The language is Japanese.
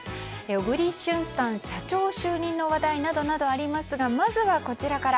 小栗旬さん、社長就任の話題などありますがまずは、こちらから。